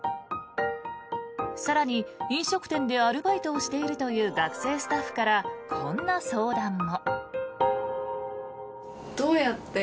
更に飲食店でアルバイトをしているという学生スタッフからこんな相談も。